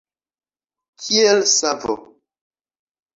Kiel savo.